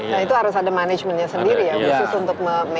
nah itu harus ada manajemennya sendiri ya khusus untuk